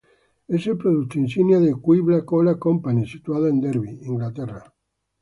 Es el producto insignia de Qibla Cola Company, situada en Derby, Inglaterra.